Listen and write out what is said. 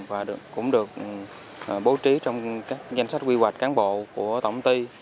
và cũng được bố trí trong danh sách quy hoạch cán bộ của tổng ty